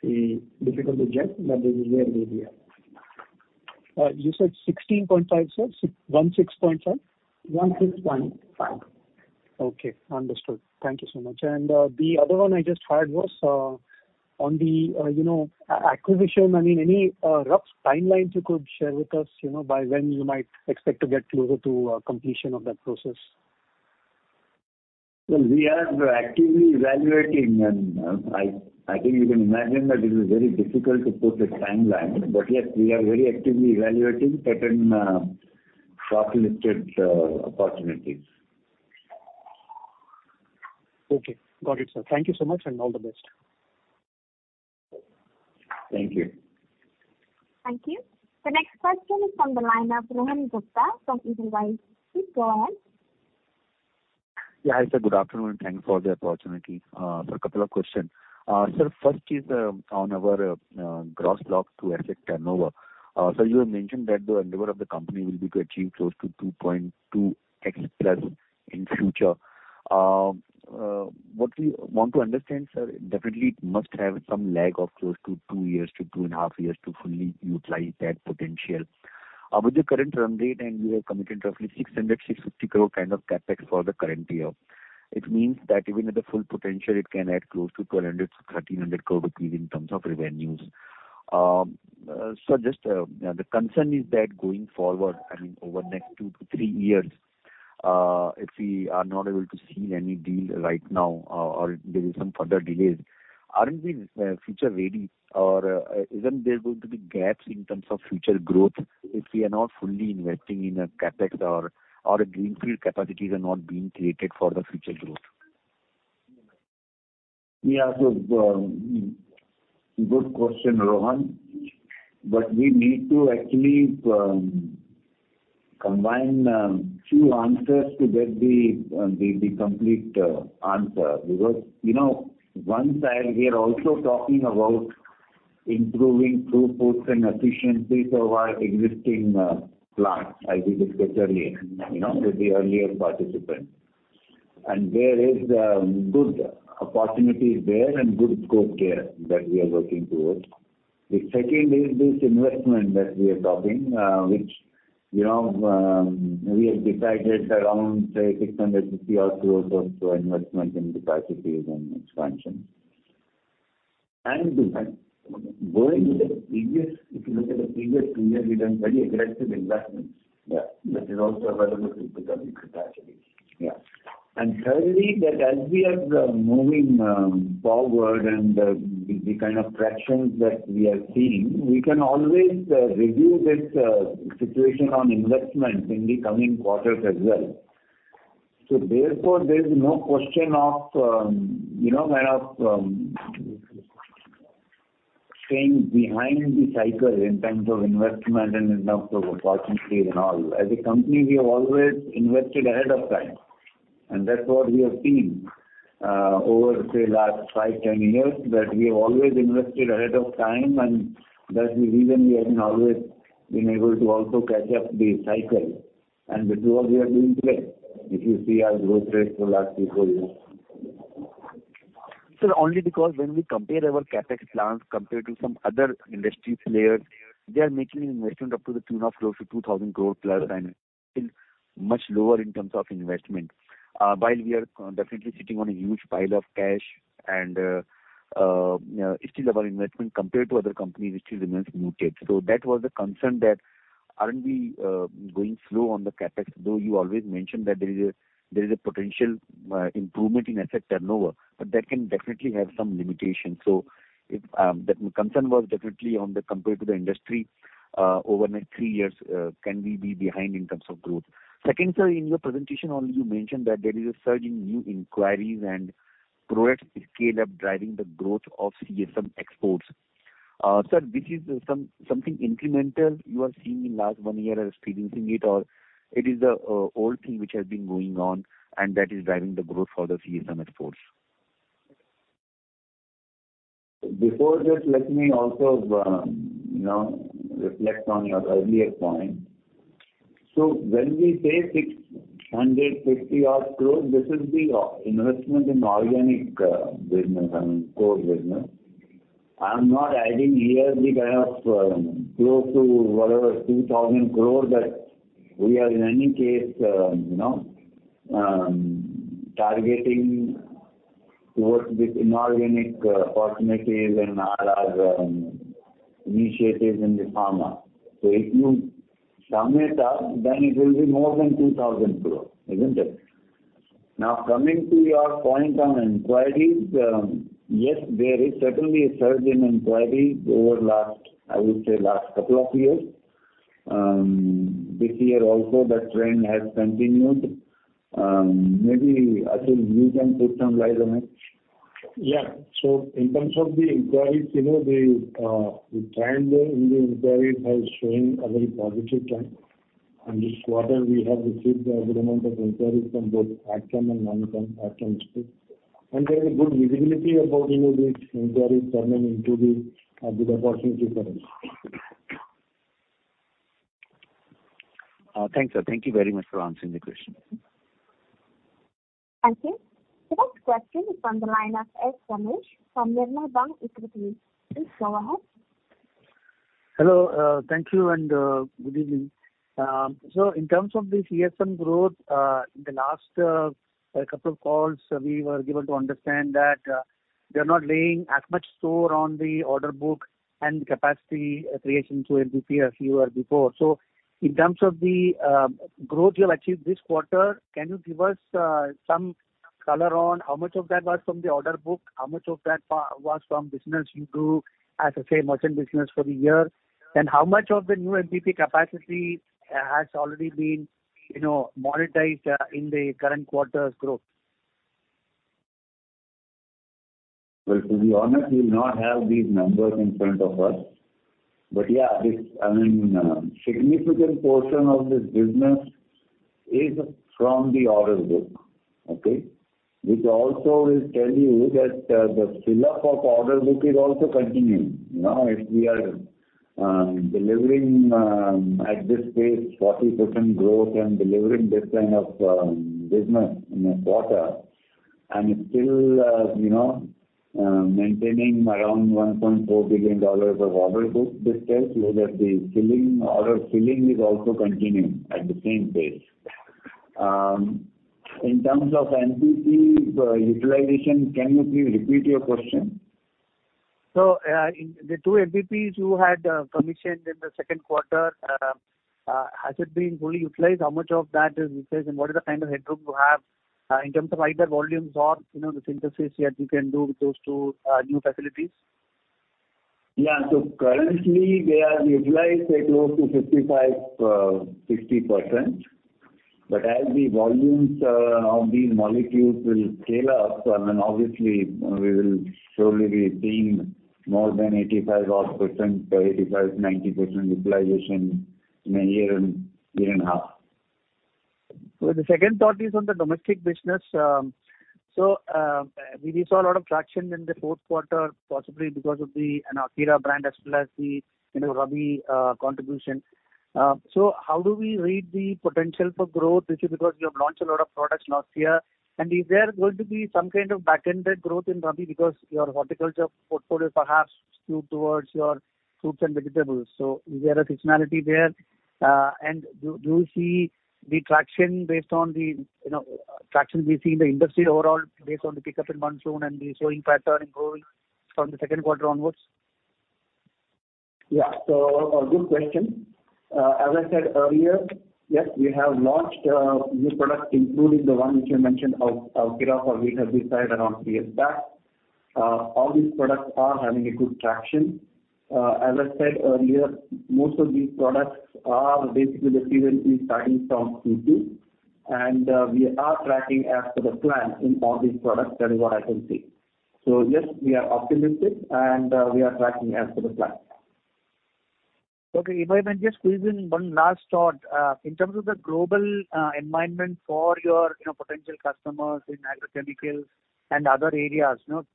be difficult to judge, but this is where we are. You said 16.5, sir? 16.5? 16.5. Okay, understood. Thank you so much. The other one I just had was on the, you know, acquisition. I mean, any rough timelines you could share with us, you know, by when you might expect to get closer to completion of that process? Well, we are actively evaluating and, I think you can imagine that it is very difficult to put a timeline. Yes, we are very actively evaluating certain, stock listed, opportunities. Okay. Got it, sir. Thank you so much and all the best. Thank you. Thank you. The next question is from the line of Rohan Gupta from Edelweiss. Please go ahead. Yeah. Hi, sir. Good afternoon. Thank you for the opportunity. Sir, a couple of questions. Sir, first is on our gross block to asset turnover. Sir, you have mentioned that the endeavor of the company will be to achieve close to 2.2x+ in future. What we want to understand, sir, definitely it must have some lag of close to 2 years to 2.5 years to fully utilize that potential. With the current run rate and you have committed roughly 600-650 crore kind of CapEx for the current year, it means that even at the full potential, it can add close to 1,200-1,300 crore rupees in terms of revenues. Sir, just the concern is that going forward, I mean, over next 2-3 years, if we are not able to seal any deal right now, or there is some further delays, aren't we future ready or, isn't there going to be gaps in terms of future growth if we are not fully investing in a CapEx or greenfield capacities are not being created for the future growth? Good question, Rohan. We need to actually combine two answers to get the complete answer. Because, you know, one side we are also talking about improving throughput and efficiency for our existing plants, as we discussed earlier, you know, with the earlier participant. There is good opportunities there and good scope there that we are working towards. The second is this investment that we are talking which, you know, we have decided around, say, 650-odd crores of investment in capacities and expansion. Going with the previous, if you look at the previous two years, we've done very aggressive investments. That is also available to become the capacity. Thirdly, that as we are moving forward and the kind of pressures that we are seeing, we can always review this situation on investment in the coming quarters as well. Therefore, there is no question of you know kind of staying behind the cycle in terms of investment and in terms of opportunities and all. As a company, we have always invested ahead of time, and that's what we have seen over say last 5, 10 years, that we have always invested ahead of time, and that's the reason we have always been able to also catch up the cycle. That's what we are doing today. If you see our growth rates for last 3, 4 years. Sir, only because when we compare our CapEx plans compared to some other industry players, they are making investment up to 2.5 crore-2,000 crore+ and much lower in terms of investment. While we are definitely sitting on a huge pile of cash and still our investment compared to other companies still remains muted. That was the concern that aren't we going slow on the CapEx, though you always mention that there is a potential improvement in asset turnover, but that can definitely have some limitations. If the concern was definitely on the compared to the industry over next 3 years, can we be behind in terms of growth? Second, sir, in your presentation only you mentioned that there is a surge in new inquiries and product scale-up driving the growth of CSM exports. Sir, this is something incremental you are seeing in last one year or experiencing it, or it is the old thing which has been going on and that is driving the growth for the CSM exports. Before this, let me also, you know, reflect on your earlier point. When we say 650-odd crore, this is the investment in organic business, I mean, core business. I'm not adding here the kind of close to whatever 2,000 crore that we are in any case targeting towards this inorganic opportunities and all our initiatives in the pharma. If you sum it up, then it will be more than 2,000 crore, isn't it? Now, coming to your point on inquiries, yes, there is certainly a surge in inquiries over last, I would say, last couple of years. This year also that trend has continued. Maybe, Atul, you can throw some light on it. Yeah. In terms of the inquiries, you know, the trend in the inquiries has shown a very positive trend. This quarter we have received a good amount of inquiries from both agchem and non-agchem space. There is good visibility about, you know, these inquiries turning into the good opportunity for us. Thanks, sir. Thank you very much for answering the question. Thank you. The next question is on the line of S. Ramesh from Nirmal Bang Equities. Please go ahead. Hello. Thank you, and good evening. In terms of the CSM growth, in the last couple of calls, we were able to understand that you're not laying as much store on the order book and capacity creation through MPP as you were before. In terms of the growth you have achieved this quarter, can you give us some color on how much of that was from the order book? How much of that was from business you do as the same merchant business for the year? And how much of the new MPP capacity has already been, you know, monetized in the current quarter's growth? Well, to be honest, we not have these numbers in front of us. Yeah, this, I mean, significant portion of this business is from the order book. Okay? Which also will tell you that, the fill-up of order book is also continuing. You know, if we are delivering at this pace 40% growth and delivering this kind of business in a quarter, and still, you know, maintaining around $1.4 billion of order book this tells you that the order filling is also continuing at the same pace. In terms of MPP's utilization, can you please repeat your question? The two MPPs you had commissioned in the second quarter, has it been fully utilized? How much of that is utilized, and what is the kind of headroom you have in terms of either volumes or, you know, the synthesis that you can do with those two new facilities? Yeah. Currently they are utilized at close to 55-60%. As the volumes of these molecules will scale up, I mean obviously we will surely be seeing more than 85-odd%, 85-90% utilization in a year and a half. The second thought is on the domestic business. We saw a lot of traction in the fourth quarter, possibly because of the, you know, Akira brand as well as the, you know, Rabi contribution. How do we read the potential for growth, especially because you have launched a lot of products last year? Is there going to be some kind of back-ended growth in Rabi because your horticulture portfolio is perhaps skewed towards your fruits and vegetables? Is there a seasonality there? Do you see the traction based on the, you know, traction we see in the industry overall based on the pickup in monsoon and the slowing pattern growth from the second quarter onwards? Yeah. A good question. As I said earlier, yes, we have launched new products, including the one which you mentioned of Akira, which we have decided around 3 years back. All these products are having a good traction. As I said earlier, most of these products are basically, and we are tracking as per the plan in all these products, that is what I can say. Yes, we are optimistic and we are tracking as per the plan. Okay. If I may just squeeze in one last thought. In terms of the global environment for your, you know, potential customers in agrochemicals and other areas, you know,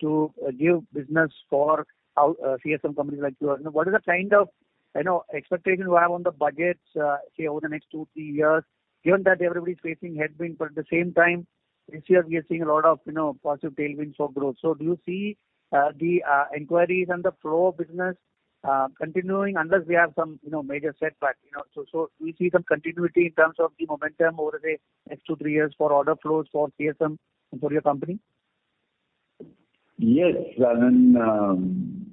to give business for how CSM companies like you are. What is the kind of, you know, expectations you have on the budgets, say over the next two, three years, given that everybody's facing headwind, but at the same time this year we are seeing a lot of, you know, positive tailwinds for growth. Do you see the inquiries and the flow of business continuing unless we have some, you know, major setback? Do you see some continuity in terms of the momentum over the next two, three years for order flows for CSM and for your company? Yes. I mean,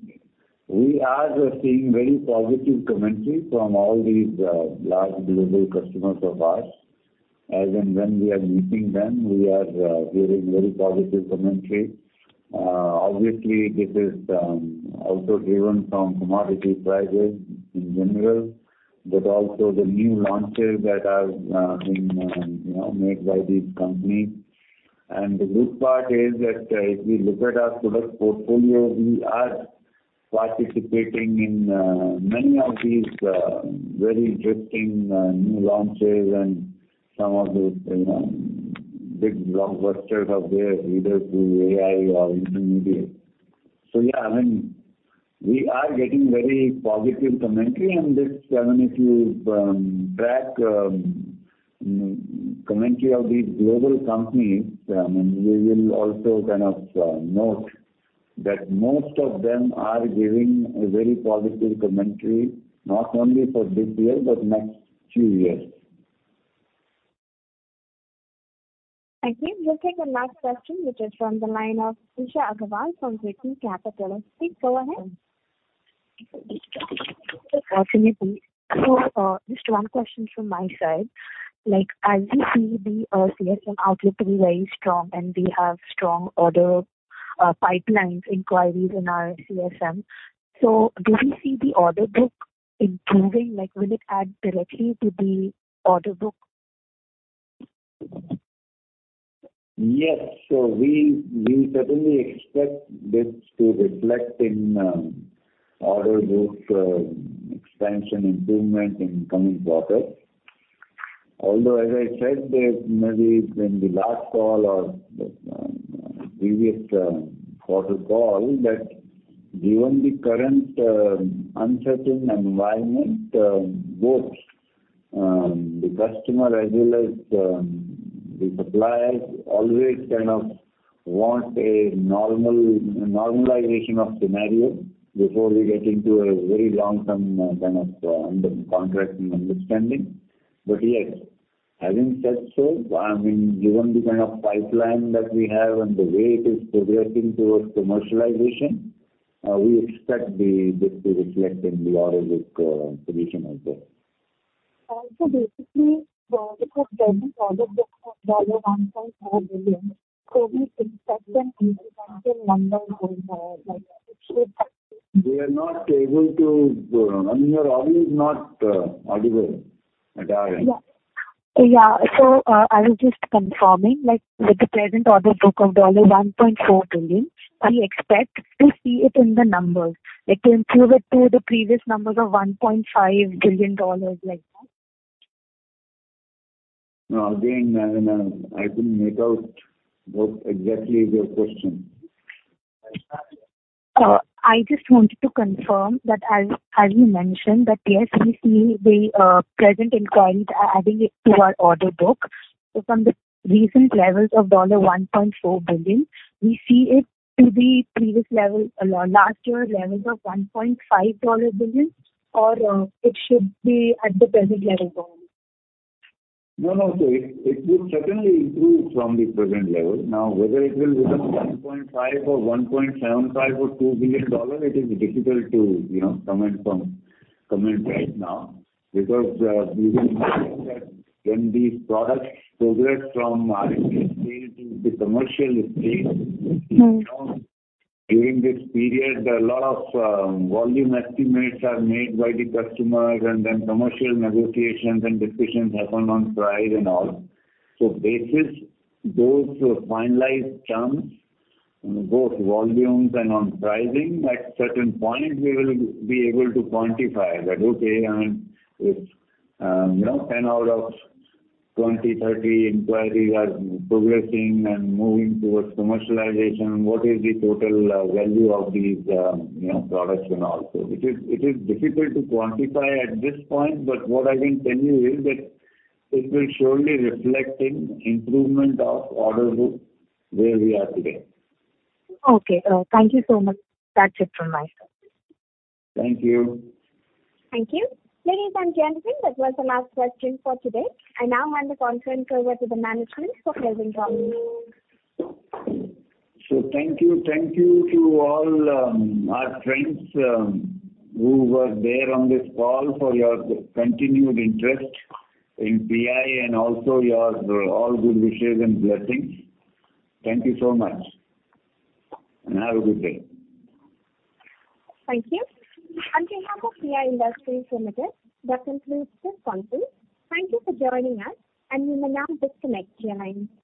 we are seeing very positive commentary from all these large global customers of ours. As and when we are meeting them, we are hearing very positive commentary. Obviously this is also driven from commodity prices in general, but also the new launches that have been, you know, made by these companies. The good part is that, if you look at our product portfolio, we are participating in many of these very interesting new launches and some of those, you know, big blockbusters of theirs, either through API or intermediate. Yeah, I mean, we are getting very positive commentary and this. I mean, if you track commentary of these global companies, and we will also kind of note that most of them are giving a very positive commentary, not only for this year but next two years. I think we'll take the last question, which is from the line of Usha Agarwal from Virtuous Capital. Please go ahead. Just one question from my side. Like, as you see the CSM outlook to be very strong and we have strong order pipelines inquiries in our CSM. Do we see the order book improving? Like, will it add directly to the order book? Yes. We certainly expect this to reflect in order book expansion improvement in coming quarters. Although as I said that maybe in the last call or the previous quarter call, that given the current uncertain environment, both the customer as well as the suppliers always kind of want a normal normalization of scenario before we get into a very long-term kind of under contract and understanding. Yes, having said so, I mean, given the kind of pipeline that we have and the way it is progressing towards commercialization, we expect this to reflect in the order book position as well. Also, basically. I mean, your audio is not audible at our end. I was just confirming, like with the present order book of $1.4 billion, we expect to see it in the numbers, like improve it to the previous numbers of $1.5 billion, like that? No, again, I mean, I couldn't make out what exactly is your question. I just wanted to confirm that as you mentioned, that yes, we see the present inquiries adding it to our order book. From the recent levels of $1.4 billion, we see it to the previous level, last year levels of $1.5 billion or it should be at the present level going? No, no. It will certainly improve from the present level. Now, whether it will become $1.5 billion or $1.75 billion or $2 billion, it is difficult to, you know, comment right now. Because we will find that when these products progress from RFQ stage to the commercial stage. Mm-hmm. You know, during this period, a lot of volume estimates are made by the customers and then commercial negotiations and discussions happen on price and all. Basis those who have finalized terms on both volumes and on pricing, at certain point we will be able to quantify that. Okay. I mean, if you know, 10 out of 20-30 inquiries are progressing and moving towards commercialization, what is the total value of these you know, products and all. It is difficult to quantify at this point, but what I can tell you is that it will surely reflect in improvement of order book where we are today. Okay. Thank you so much. That's it from my side. Thank you. Thank you. Ladies and gentlemen, that was the last question for today. I now hand the conference over to the management for closing comments. Thank you. Thank you to all, our friends, who were there on this call for your continued interest in PI and also your, all good wishes and blessings. Thank you so much, and have a good day. Thank you. On behalf of PI Industries Limited, that concludes this conference. Thank you for joining us, and you may now disconnect your lines.